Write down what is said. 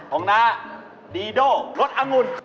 ของนะฮะดีโด้รสอังุ่น